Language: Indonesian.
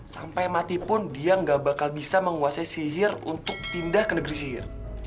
sampai mati pun dia nggak bakal bisa menguasai sihir untuk pindah ke negeri sihir